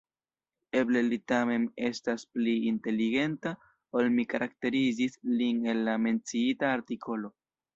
Eble li tamen estas pli inteligenta, ol mi karakterizis lin en la menciita artikolo...